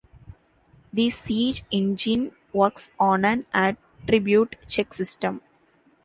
The Siege Engine works on an attribute check system.